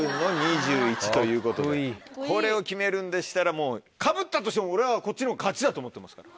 これを決めるんでしたらもうかぶったとしても俺はこっちのほうが勝ちだと思ってますから。